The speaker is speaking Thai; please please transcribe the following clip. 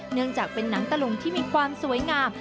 เนื่องจากเป็นหนังตะลุงที่มีความสวยงาม